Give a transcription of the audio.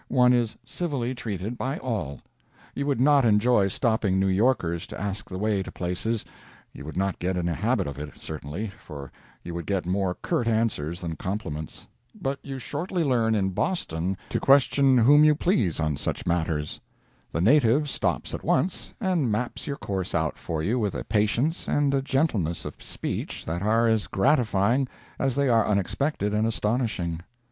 One is civilly treated by all. You would not enjoy stopping New Yorkers to ask the way to places—you would not get in a habit of it, certainly, for you would get more curt answers than compliments. But you shortly learn in Boston to question whom you please on such matters. The native stops at once and maps your course out for you with a patience and a gentleness of speech that are as gratifying as they are unexpected and astonishing.